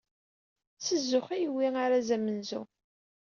S zzux i yewwi arraz amenzu.